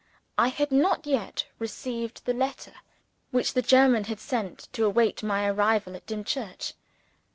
I had not yet received the letter which the German had sent to wait my arrival at Dimchurch.